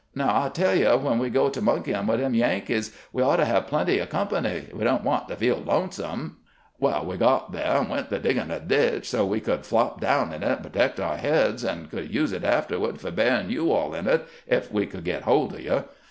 Now I tell you, when we go to monkejdn' with them Yankees we ought to have plenty o' company; we don't want to feel lonesome.' Well, we got thah, and went to diggin' a ditch so we could flop down in it and protect our heads, and could use it afterward fo' buryin' you all in it, ef we could get hold o' you.